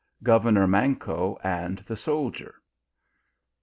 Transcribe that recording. GO VERNOR MANCO AND THE SOLDIER.